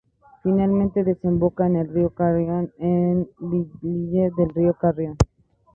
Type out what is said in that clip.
Finalmente desemboca en el río Carrión en Velilla del Río Carrión.